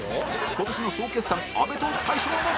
今年の総決算アメトーーク大賞も